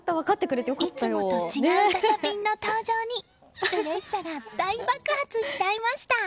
いつもと違うガチャピンの登場にうれしさが大爆発しちゃいました。